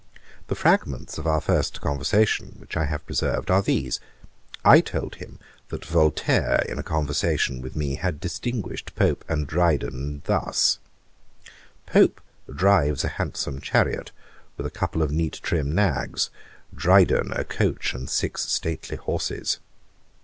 The fragments of our first conversation, which I have preserved, are these: I told him that Voltaire, in a conversation with me, had distinguished Pope and Dryden thus: 'Pope drives a handsome chariot, with a couple of neat trim nags; Dryden a coach, and six stately horses.'